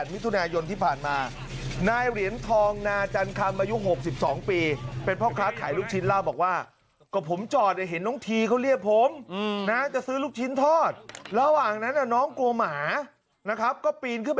๒๘มิถุนายนที่ผ่านมานายเหรียญทองนาจันทรรมอายุ๖๒ปี